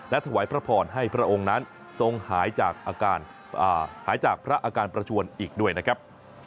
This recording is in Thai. และถ่วยพระพรให้พระองค์นั้นทรงหายจากพระอาการประชวนอีกด้วยนะครับ